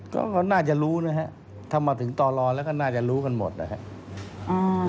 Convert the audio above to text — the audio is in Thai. ก็น่าจะรู้นะฮะถ้ามาถึงต่อรอแล้วก็น่าจะรู้กันหมดนะครับ